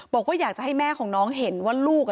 บอกว่าอยากจะให้แม่ของน้องเห็นว่าลูก